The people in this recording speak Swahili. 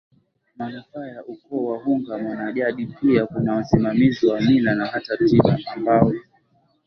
manufaa ya ukooWahunga mwanajadiPia kuna wasimamizi wa Mila na hata tiba ambao